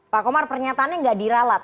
pak komar pernyataannya gak dirawat